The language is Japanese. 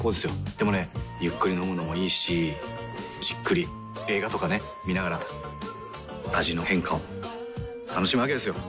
でもねゆっくり飲むのもいいしじっくり映画とかね観ながら味の変化を楽しむわけですよ。